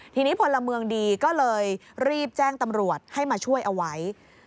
ทีนี้พลเมืองดีก็เลยรีบแจ้งตำรวจให้มาช่วยเอาไว้